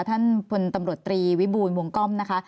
ท่านพลตำรวจตรีวิบูลวงก้อมนะคะ